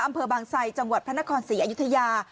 อำเภอบางไซจังหวัดพระนครศรีอยุธยา